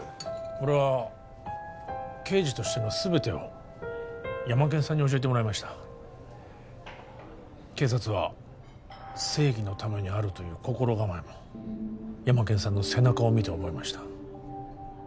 俺は刑事としての全てをヤマケンさんに教えてもらいました警察は正義のためにあるという心構えもヤマケンさんの背中を見て覚えました